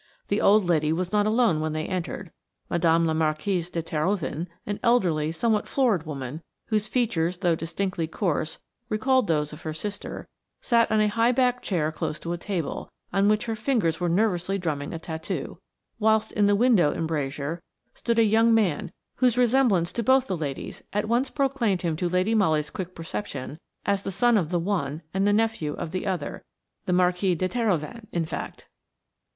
The old lady was not alone when they entered; Madame la Marquise de Terhoven, an elderly, somewhat florid woman, whose features, though distinctly coarse, recalled those of her sister, sat on a high backed chair close to a table, on which her fingers were nervously drumming a tattoo, whilst in the window embrasure stood a young man whose resemblance to both the ladies at once proclaimed him to Lady Molly's quick perception as the son of the one and nephew of the other–the Marquis de Terhoven, in fact.